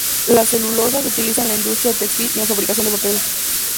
La celulosa se utiliza en la industria textil y en la fabricación de papel.